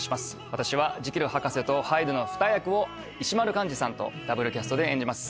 私はジキル博士とハイドの２役を石丸幹二さんとダブルキャストで演じます。